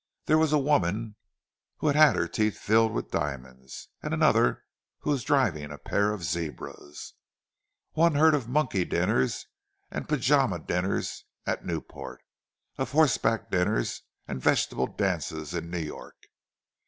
There was a woman who had her teeth filled with diamonds; and another who was driving a pair of zebras. One heard of monkey dinners and pyjama dinners at Newport, of horseback dinners and vegetable dances in New York.